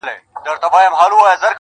زما شاعري وخوړه زې وخوړم.